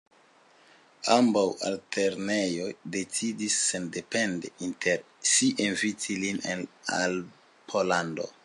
Ambaŭ altlernejoj decidis sendepende inter si inviti lin al Pollando.